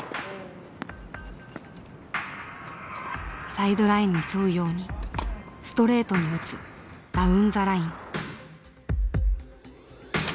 サイドラインに沿うようにストレートに打つダウン・ザ・ライン。